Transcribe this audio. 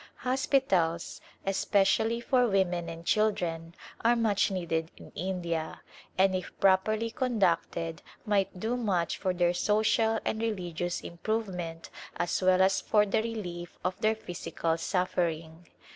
Hospitals, especially for women and'children, are much needed in India, and if properly conducted might do much for their social and religious improvement as well as for the relief of their physical suffering.